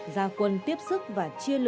gia quân tiếp sức và chia lưu